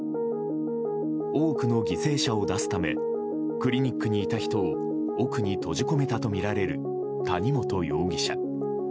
多くの犠牲者を出すためクリニックにいた人を奥に閉じ込めたとみられる谷本容疑者。